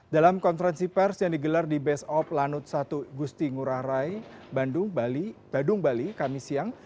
dalam konferensi pers yang digelar di base of lanut satu gusti ngurah rai badung bali kami siang